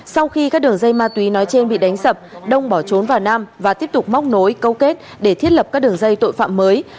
sau khi các đường dây ma túy nói trên bị đánh sập đông bỏ trốn vào nam và tiếp tục móc nối câu kết để thiết lập các đường dây tội phạm mới